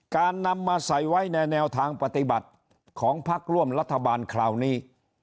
การนำมาใส่ไว้ในแนวทางปฏิบัติของพักร่วมรัฐบาลคราวนี้